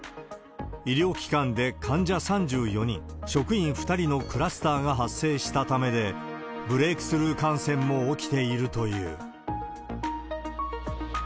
医療機関で患者３４人、職員２人のクラスターが発生したためで、ブレークスルー感染も起きているという。